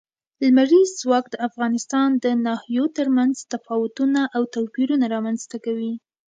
لمریز ځواک د افغانستان د ناحیو ترمنځ تفاوتونه او توپیرونه رامنځ ته کوي.